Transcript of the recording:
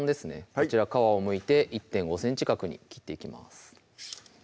こちら皮をむいて１．５ｃｍ角に切っていきます